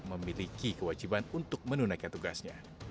memiliki kewajiban untuk menunaikan tugasnya